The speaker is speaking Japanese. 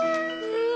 うわ！